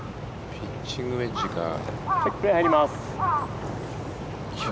ピッチングウェッジなのかな？